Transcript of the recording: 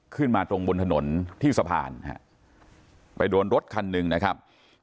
ขึ้นมาตรงบนถนนที่สะพานฮะไปโดนรถคันหนึ่งนะครับ